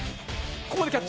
ここでキャッチ。